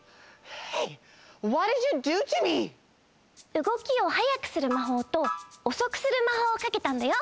うごきをはやくするまほうとおそくするまほうをかけたんだよ。